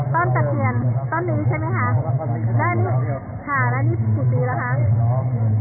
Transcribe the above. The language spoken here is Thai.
ตอนตัดเกียรตอนนี้ใช่ไหมคะและนี้ค่ะและนี้สี่ปีแล้วคะ